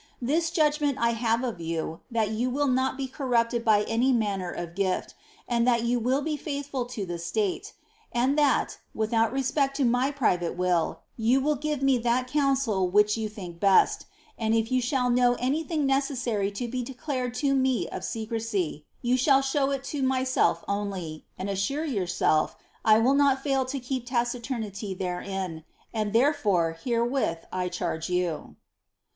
Tlii^ judgment 1 have of you. that you will not be corrupteil by any manner of gifl, and that you will be faithful to Uie state; and that, witliout respect to my private will, you will give me that council which you think best ; and if you tthall know anything necessary to be declared to me of secrecy, you shall show it to my.^elf only, and assure yourself I will not fail to keep taciturnity therein, and tlierefore herewith I charge you.